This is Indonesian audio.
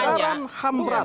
pelanggaran ham berat